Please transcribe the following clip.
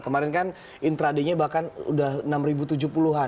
kemarin kan intraday nya bahkan udah enam tujuh puluh an gitu ya